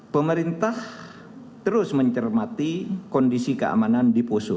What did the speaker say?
pemerintah terus mencermati kondisi keamanan di poso